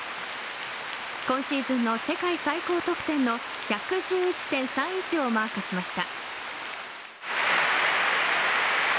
今シーズンの世界最高得点の１１１．３１をマークしました。